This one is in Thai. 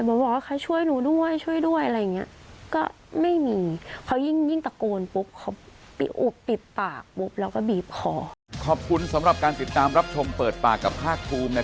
บอกว่าเขาช่วยหนูด้วยช่วยด้วยอะไรอย่างนี้ก็ไม่มี